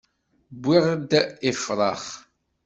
Wi d ifṛax.